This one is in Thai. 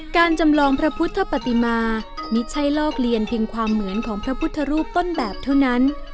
จำลองพระพุทธปฏิมาไม่ใช่ลอกเลียนเพียงความเหมือนของพระพุทธรูปต้นแบบเท่านั้น